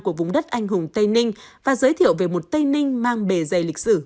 của vùng đất anh hùng tây ninh và giới thiệu về một tây ninh mang bề dày lịch sử